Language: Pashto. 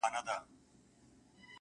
شپه تیاره وي.